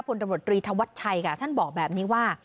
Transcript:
ผลตำรวจรีธวัชชัยค่ะท่านบอกแบบนี้ว่า